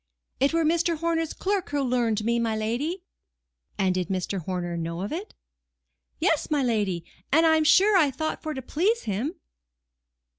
"It were Mr. Horner's clerk who learned me, my lady." "And did Mr. Horner know of it?" "Yes, my lady. And I am sure I thought for to please him."